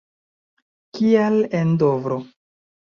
Kial en Dovro?